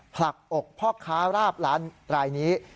ผลักอกพ่อค้าราบล้านรายนี้